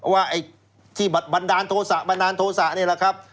ไอ้ที่บันดาลโทษะบันดาลโทษะนี่แหละครับ